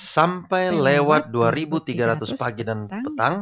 sampai lewat dua tiga ratus pagi dan petang